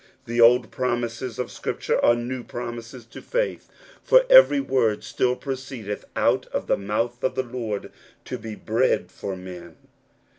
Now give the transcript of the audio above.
The old promises of Scripture are new promises to faith ; for every word still proceedeth out of the mouth of the Lord to be bread for men.